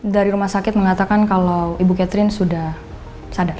dari rumah sakit mengatakan kalau ibu catherine sudah sadar